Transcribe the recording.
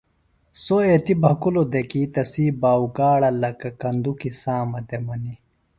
سوۡ ایتیۡ بھکُلوۡ دےۡ کیۡ تسی باؤگاڑہ لکہ کندُکیۡ سامہ دےۡ منیۡ